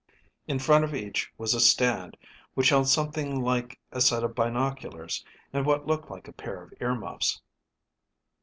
In front of each was a stand which held something like a set of binoculars and what looked like a pair of ear muffs.